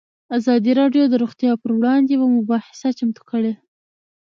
ازادي راډیو د روغتیا پر وړاندې یوه مباحثه چمتو کړې.